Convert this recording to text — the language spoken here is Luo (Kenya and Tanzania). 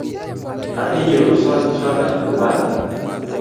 Adhi nyieo nu soda umadhi